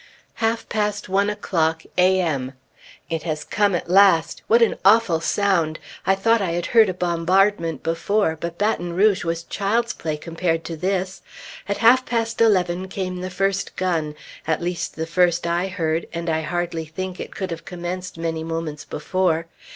Half past One o'clock, A.M. It has come at last! What an awful sound! I thought I had heard a bombardment before; but Baton Rouge was child's play compared to this. At half past eleven came the first gun at least the first I heard, and I hardly think it could have commenced many moments before.